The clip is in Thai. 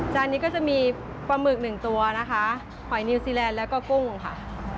จานนี้ก็จะมีปลาหมึกหนึ่งตัวนะคะหอยนิวซีแลนด์แล้วก็กุ้งค่ะ